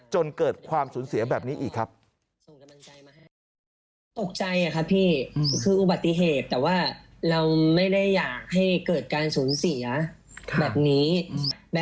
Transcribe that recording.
จนเกิดความสูญเสียแบบนี้อีกครับ